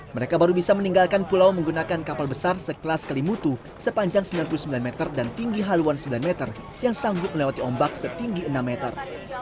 mereka baru bisa meninggalkan pulau menggunakan kapal besar sekelas kelimutu sepanjang sembilan puluh sembilan meter dan tinggi haluan sembilan meter yang sanggup melewati ombak setinggi enam meter